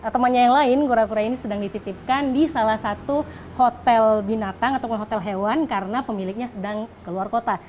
temannya yang lain kura kura ini sedang dititipkan di salah satu hotel binatang atau hotel hewan karena pemiliknya sedang keluar kota